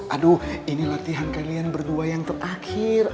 aduh ini latihan kalian berdua yang terakhir